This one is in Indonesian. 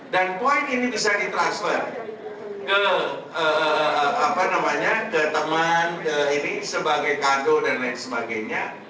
dan point ini bisa di transfer ke teman ini sebagai kado dan lain sebagainya